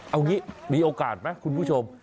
เอางี้มีโอกาสไหมคุณผู้ชม